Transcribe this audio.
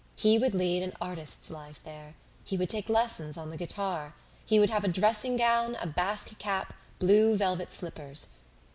He would lead an artist's life there! He would take lessons on the guitar! He would have a dressing gown, a Basque cap, blue velvet slippers!